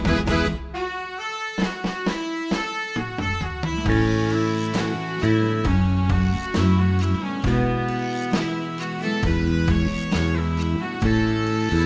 แบบวีลงเก็บพอที่สุดปกป้องผ่านเข้าได้